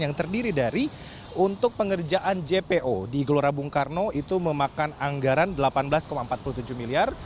yang terdiri dari untuk pengerjaan jpo di gelora bung karno itu memakan anggaran rp delapan belas empat puluh tujuh miliar